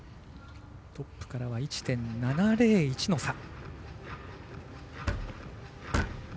トップから１．７０１の差。